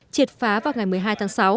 triệt phá vào ngày một mươi hai tháng sáu